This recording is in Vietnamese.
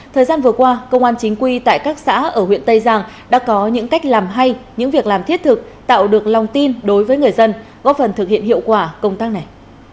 thời gian vừa qua công an chính quy tại các xã ở huyện tây giang đã có những cách làm hay những việc làm thiết thực tạo được lòng tin đối với người dân góp phần thực hiện hiệu quả công tác này